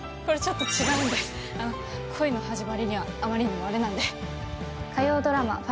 これちょっと違うんであの恋の始まりにはあまりにもあれなんで火曜ドラマ